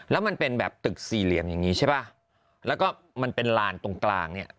แล้วมันเป็นแบบตึกสี่เหลี่ยมอย่างนี้ใช่ป่ะแล้วก็มันเป็นลานตรงกลางเนี่ย